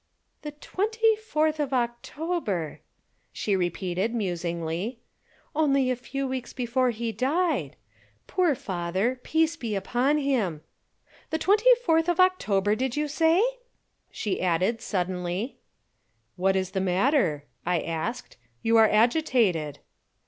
"The twenty fourth of October!" she repeated musingly. "Only a few weeks before he died. Poor father, peace be upon him! The twenty fourth of October, did you say?" she added, suddenly. "What is the matter?" I asked. "You are agitated."